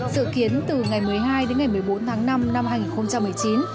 dự kiến từ ngày một mươi hai đến ngày một mươi bốn tháng năm năm hai nghìn một mươi chín